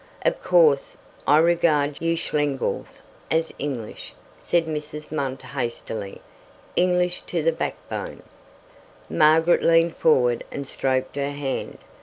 "Of course I regard you Schlegels as English," said Mrs. Munt hastily "English to the backbone." Margaret leaned forward and stroked her hand.